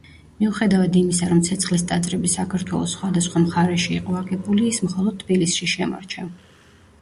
მიუხედავად იმისა, რომ „ცეცხლის ტაძრები“ საქართველოს სხვადასხვა მხარეში იყო აგებული, ის მხოლოდ თბილისში შემორჩა.